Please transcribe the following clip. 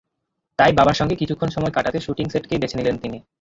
তাই বাবার সঙ্গে কিছুক্ষণ সময় কাটাতে শুটিং সেটকেই বেছে নিলেন তিনি।